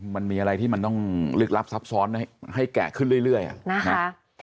มันมีอะไรที่มันต้องลึกลับซับซ้อนให้แกะขึ้นเรื่อยนะคะ